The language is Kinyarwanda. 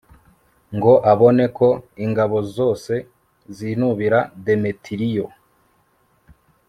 ngo abone ko ingabo zose zinubira demetiriyo